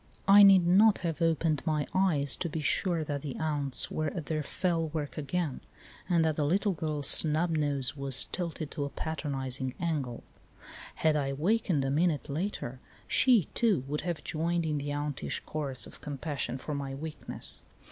I need not have opened my eyes to be sure that the aunts were at their fell work again, and that the little girl's snub nose was tilted to a patronising angfel. Had I awakened a minute later she, too, would have joined in the auntish chorus of compassion for my weak ness.